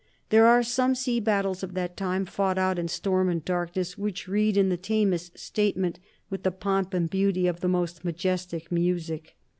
There are some sea battles of that time, fought out in storm and darkness, which read in the tamest statement with the pomp and beauty of the most majestic music.